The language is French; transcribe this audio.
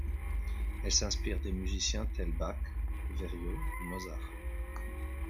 Elle s'inspire des musiciens tels Bach, Verio, Mozart.